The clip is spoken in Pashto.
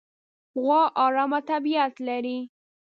غوا ارامه طبیعت لري.